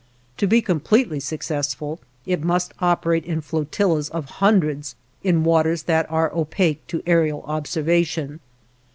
To be completely successful, it must operate in flotillas of hundreds in waters that are opaque to aërial observation.